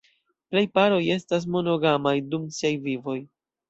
Plej paroj estas monogamaj dum siaj vivoj.